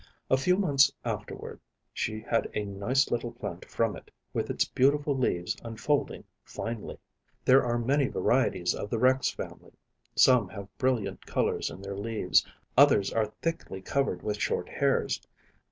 A few months afterward she had a nice little plant from it, with its beautiful leaves unfolding finely. There are many varieties of the Rex family; some have brilliant colors in their leaves, others are thickly covered with short hairs.